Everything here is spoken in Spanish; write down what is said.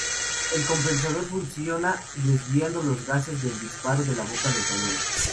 El compensador funciona desviando los gases del disparo de la boca del cañón.